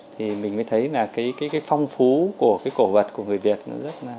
thì mình mới thấy là cái phong phú của cái cổ vật của người việt nó rất là